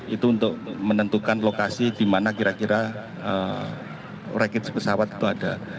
itu untuk menentukan lokasi di mana kira kira rakit pesawat itu ada